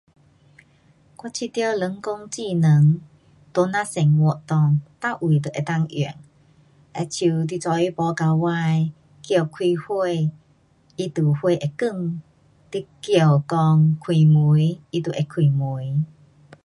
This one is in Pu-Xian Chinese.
我觉得人工技能在咱生活内每位都能够用。好像你早上爬起来叫开火，它就火会亮，你叫讲开门，它就会开门。